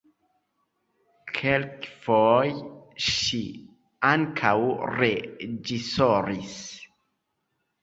Kelkfoje ŝi ankaŭ reĝisoris.